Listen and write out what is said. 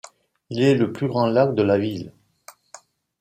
Il est le plus grand lac de la ville.